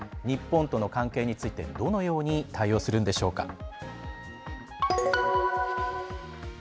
日本との関係についてどのように対応するんでしょうか。